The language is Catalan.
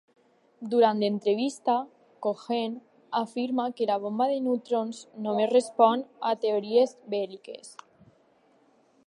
Durant l'entrevista, Cohen afirma que la bomba de neutrons només respon a teories bèl·liques.